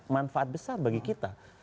manfaat besar bagi kita